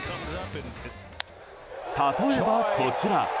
例えば、こちら。